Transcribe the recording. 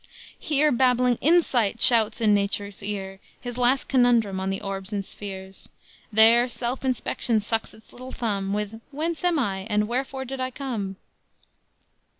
Here babbling 'Insight' shouts in Nature's ears His last conundrum on the orbs and spheres; There Self inspection sucks its little thumb, With 'Whence am I?' and 'Wherefore did I come?'"